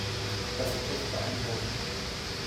Das ist echt beeindruckend.